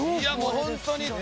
本当に。